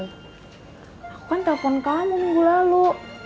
aku kan telpon kamu minggu lalu